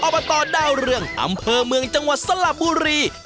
อบตดาวเรืองอำเภอเมืองจังหวัดสระบุรี